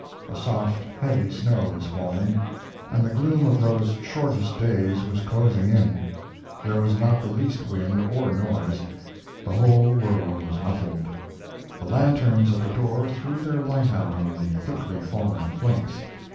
A soft, heavy snow was falling, and the gloom of those shortest days was closing in. There was not the least wind or noise, the whole world was muffled. The lanterns at the door threw their light out on the thickly falling flakes.